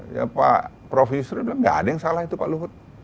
ya pak prof yusri bilang gak ada yang salah itu pak luhut